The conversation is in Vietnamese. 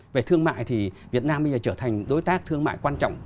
về thương mại thì việt nam bây giờ trở thành đối tác thương mại quan trọng